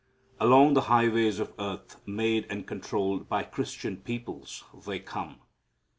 Along the highways of earth, made and controlled by Christian peoples, they come.